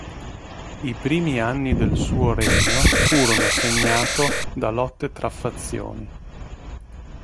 I primi anni del suo regno furono segnato da lotte tra fazioni.